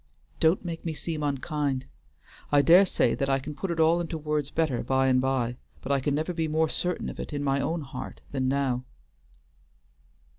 Don't make me seem unkind! I dare say that I can put it all into words better by and by, but I can never be more certain of it in my own heart than now."